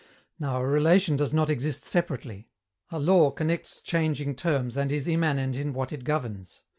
Now, a relation does not exist separately. A law connects changing terms and is immanent in what it governs.